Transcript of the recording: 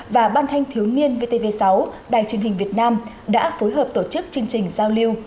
và ban thanh thiếu niên vtv sáu đài truyền hình việt nam đã phối hợp tổ chức chương trình giao lưu